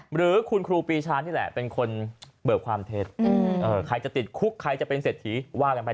หรือคุณครูปีชานี่แหละเป็นคนเบิกความเท็จใครจะติดคุกใครจะเป็นเศรษฐีว่ากันไป